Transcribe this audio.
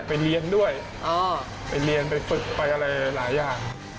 ไปเรียนด้วยไปเรียนไปฝึกไปอะไรหลายอย่าง